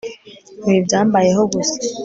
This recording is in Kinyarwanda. Ibi byambayeho gusa